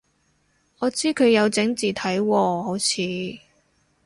我知佢有整字體喎好似